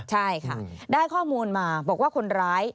ใช่ค่ะได้ข้อมูลมาบอกว่าคนร้าย